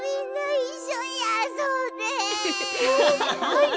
はい。